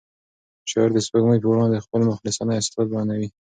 شاعر د سپوږمۍ په وړاندې خپل مخلصانه احساسات بیانوي.